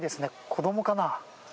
子どもかな？